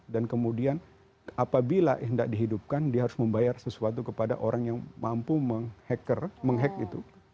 dan kemudian apabila tidak dihidupkan dia harus membayar sesuatu kepada orang yang mampu menghack itu